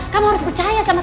kamu harus percaya sama sama